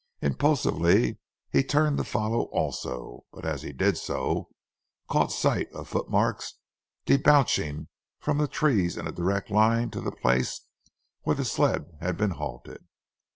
Impulsively, he turned to follow also, but as he did so, caught sight of footmarks debouching from the trees in a direct line to the place where the sled had been halted.